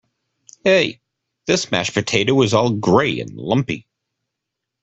Hey! This mashed potato is all grey and lumpy!